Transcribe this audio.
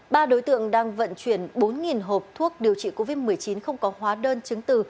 ba đối tượng đang vận chuyển bốn hộp thuốc điều trị covid một mươi chín không có hóa đơn chứng từ